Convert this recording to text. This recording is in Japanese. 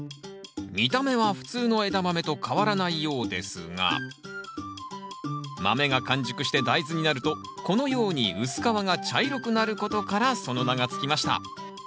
見た目は普通のエダマメと変わらないようですが豆が完熟して大豆になるとこのように薄皮が茶色くなることからその名が付きました。